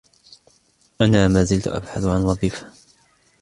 أنا ما زلت أبحث عن وظيفة.